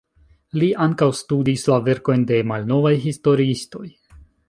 Li ankaŭ studis la verkojn de malnovaj historiistoj.